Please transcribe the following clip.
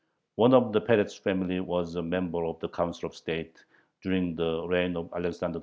One of the Peretz family was a member of the Council of State during the reign of Alexander II.